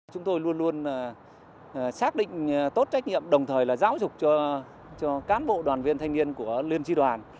chúng tôi luôn luôn xác định tốt trách nhiệm đồng thời là giáo dục cho cán bộ đoàn viên thanh niên của liên tri đoàn